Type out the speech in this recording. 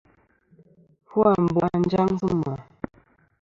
Fu ambu' à njaŋ sɨ mà.